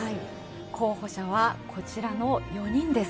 候補者は、こちらの４人です。